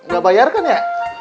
gak bayarkan ya